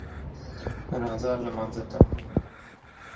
راځه لمانځه ته